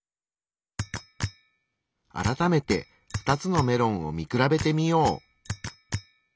改めて２つのメロンを見比べてみよう。